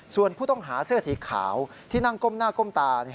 ส่วนผู้ต้องหาเสื้อสีขาวที่นั่งก้มหน้าก้มตา